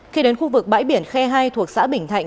khi đến khu vực bãi biển khe hai thuộc xã bình thạnh